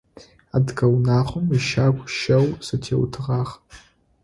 Адыгэ унагъом ищагу щэу зэтеутыгъагъ.